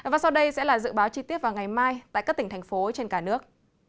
và sau đây sẽ là dự báo chi tiết vào ngày mai tại các tỉnh thành phố trên cả nước